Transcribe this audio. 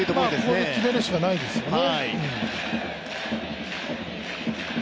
ここで決めるしかないですよね。